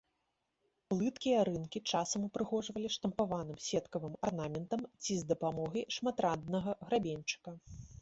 Плыткія рынкі часам упрыгожвалі штампаваным сеткавым арнаментам ці з дапамогай шматраднага грабеньчыка.